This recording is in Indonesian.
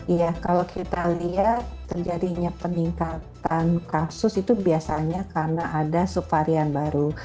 iya kalau kita lihat terjadinya peningkatan kasus itu biasanya karena ada subvarian baru